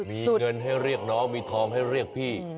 มีเงินให้เรียกน้องมีทองให้เรียกพี่